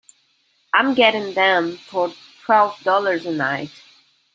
I'm getting them for twelve dollars a night.